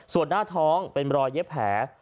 ส่วนหน้าท้องเป็นรอยเย็บแผล